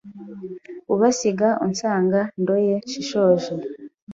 Ubasiga unsanga; ndoye nshishoje,